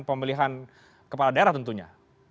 pemilihan kepala daerah tentunya